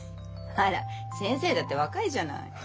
あら先生だって若いじゃない。